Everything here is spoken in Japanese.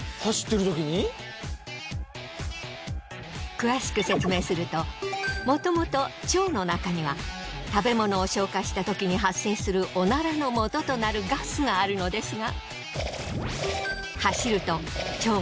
詳しく説明するともともと腸の中には食べ物を消化したときに発生するおならの素となるガスがあるのですが。